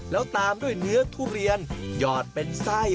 แล้วตามด้วยเนื้อทุเรียนหยอดเป็นไส้